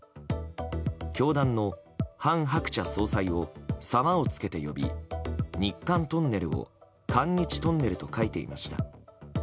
教団の韓鶴子総裁を「様」をつけて呼び日韓トンネルを韓日トンネルと書いていました。